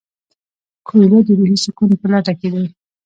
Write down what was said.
کویلیو د روحي سکون په لټه کې دی.